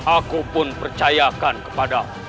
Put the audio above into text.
aku pun percayakan kepada